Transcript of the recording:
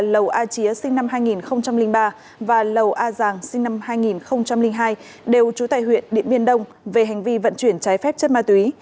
lầu a chía sinh năm hai nghìn ba và lầu a giàng sinh năm hai nghìn hai đều trú tại huyện điện biên đông về hành vi vận chuyển trái phép chất ma túy